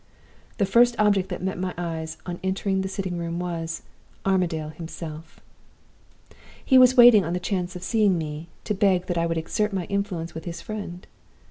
"The first object that met my eyes, on entering the sitting room, was Armadale himself! "He was waiting on the chance of seeing me, to beg that I would exert my influence with his friend.